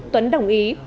tuấn đồng ý